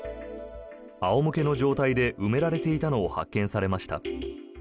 仰向けの状態で埋められていたのを発見されました。